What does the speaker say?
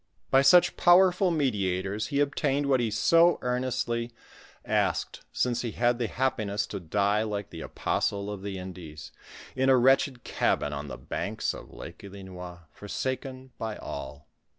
By such powerful mediators, he obtained what he so earn' estly asked, since ho had the happiness to die like the apostle of the Indies, in a wretched cabin on the banks of Lake Ilinois, foraaken by all.